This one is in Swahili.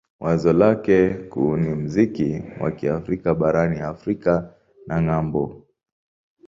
Wazo lake kuu ni muziki wa Kiafrika barani Afrika na ng'ambo.